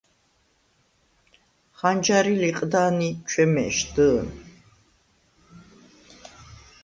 ხანჯარი ლიყდა̄ნი ჩვემე̄შდჷ̄ნ.